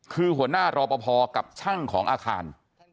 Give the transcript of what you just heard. คือหัวหน้ารอปภกับช่างของอาคาร